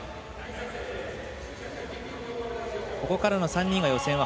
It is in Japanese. ここからの３人が予選は